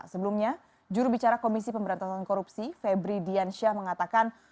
sebelumnya juru bicara komisi pemberantasan korupsi febri diansyah mengatakan